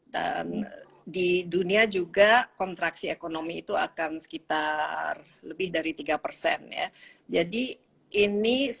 dan di dunia juga kontraksi ekonomi itu akan sekitar lebih dari tiga persen ya jadi ini